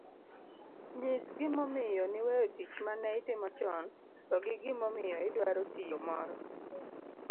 Nyis gimomiyo niweyo tich ma ne itimo chon to gi gimomiyo idwaro tiyo moro